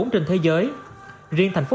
năm mươi bốn trên thế giới riêng thành phố